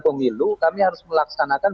pungilu kami harus melaksanakan